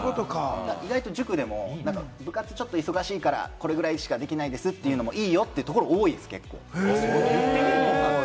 塾でも部活ちょっと忙しいから、これぐらいしかできないですというのもいいよというところ多いですよ、結構。